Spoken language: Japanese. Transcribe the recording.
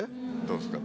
どうですか？